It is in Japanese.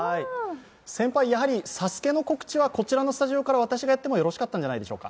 先輩、「ＳＡＳＵＫＥ」の告知はこちらのスタジオから私がやってもよろしかったんじゃないでしょうか？